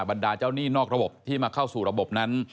บรรดาเจ้าหนี้นอกระบบที่มาเข้าสู่ระบบนั้น